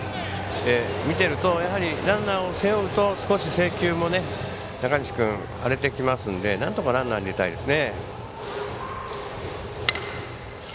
見てると、やはりランナーを背負うと少し制球も中西君、荒れてきますんでなんとかランナー出たいですね。